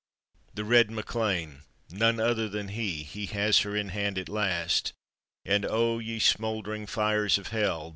The red MacLean ! none other than he, He has her in hand at last, And oh, ye smoldering fires of hell!